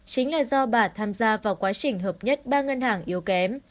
chính là do bà tham gia vào quá trình hợp nhất ba ngân hàng yếu kém